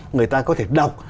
người ta có thể đọc